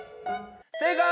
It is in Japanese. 正解！